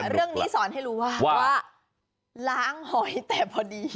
เรื่องนี้สอนให้รู้ว่าว่าล้างหอยแต่พอดี